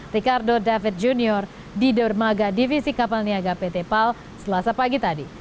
ricardo david junior di dermaga divisi kapal niaga pt pal selasa pagi tadi